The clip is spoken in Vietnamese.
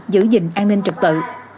giữ gìn an ninh trực tự